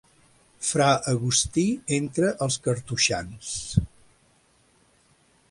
Fra Agustí entre els cartoixans.